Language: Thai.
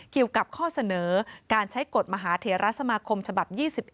เกี่ยวกับข้อเสนอการใช้กฎมหาเทราสมาคมฉบับ๒๑